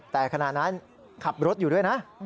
แต่ขณะนั้นขับรถอยู่ด้วยนะ